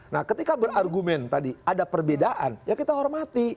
nah ketika berargumen tadi ada perbedaan ya kita hormati